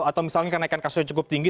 atau misalnya kenaikan kasusnya cukup tinggi